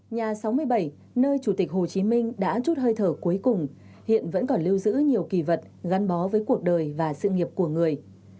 nhà sáu mươi bảy nơi chủ tịch hồ chí minh đã chút hơi thở cuối cùng hiện vẫn còn lưu giữ nhiều kỳ vật gắn bó với cuộc đời và sự nghiệp của người